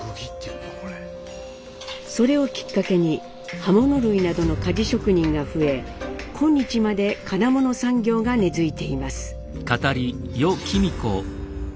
それをきっかけに刃物類などの鍛冶職人が増え今日まで金物産業が根づいています。